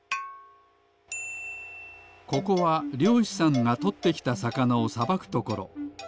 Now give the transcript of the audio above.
ここはりょうしさんがとってきたさかなをさばくところ。